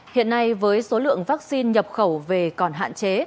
hiện nay với số lượng vaccine nhập khẩu về còn hạn chế